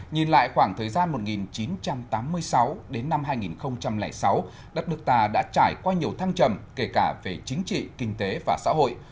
nhìn lại khoảng thời gian một nghìn chín trăm tám mươi sáu đến năm hai nghìn sáu đất nước ta đã trải qua nhiều thăng trầm kể cả về chính trị kinh tế và xã hội